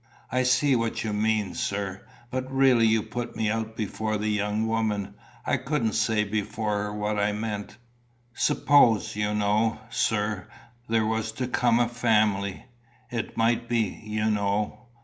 "I see what you mean, sir. But really you put me out before the young woman. I couldn't say before her what I meant. Suppose, you know, sir, there was to come a family. It might be, you know."